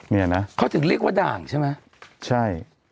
เนี่ยนะเขาถึงเรียกว่าด่างใช่ไหมใช่